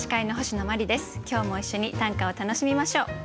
今日も一緒に短歌を楽しみましょう。